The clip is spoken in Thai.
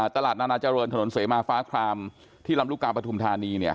นานาเจริญถนนเสมาฟ้าครามที่ลำลูกกาปฐุมธานีเนี่ย